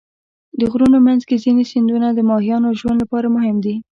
د غرونو منځ کې ځینې سیندونه د ماهیانو ژوند لپاره مهم دي.